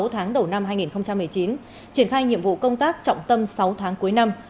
sáu tháng đầu năm hai nghìn một mươi chín triển khai nhiệm vụ công tác trọng tâm sáu tháng cuối năm